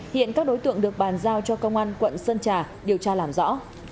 hiện các đối tượng được bàn giao cho công an quận sơn trà điều tra làm rõ